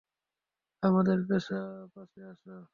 আমাদের পাশে আসো।